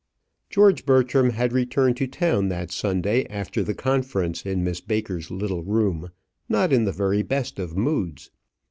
George Bertram had returned to town that Sunday after the conference in Miss Baker's little room not in the very best of moods.